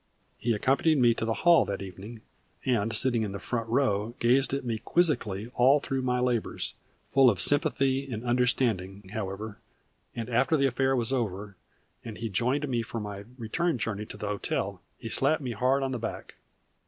He accompanied me to the hall that evening, and sitting in the front row gazed at me quizzically all through my labors full of sympathy and understanding, however and after the affair was over and he joined me for my return journey to the hotel he slapped me hard on the back.